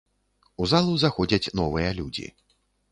У залу заходзяць новыя людзі.